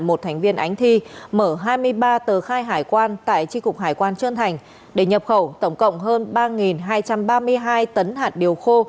một thành viên ánh thi mở hai mươi ba tờ khai hải quan tại tri cục hải quan trơn thành để nhập khẩu tổng cộng hơn ba hai trăm ba mươi hai tấn hạt điều khô